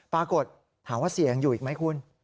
ปรากฏว่าถามว่าเสี่ยงอยู่อีกไหมคุณ